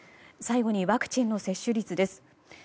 最後にワクチンの接種率です。